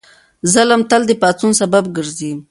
ظلم تل د پاڅون سبب ګرځي.